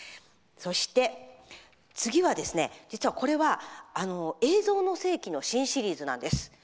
そして、次は実はこれは「映像の世紀」の新シリーズなんです。